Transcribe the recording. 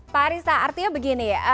pak arista artinya begini